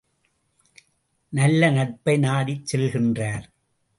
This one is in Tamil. நல்நட்பை நாடிச் செல்கின்றார்!